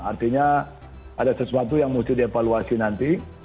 artinya ada sesuatu yang mesti dievaluasi nanti